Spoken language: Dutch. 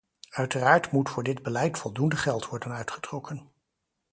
Uiteraard moet voor dit beleid voldoende geld worden uitgetrokken.